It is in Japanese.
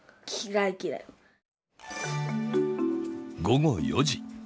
午後４時。